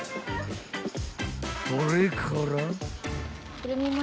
［それから］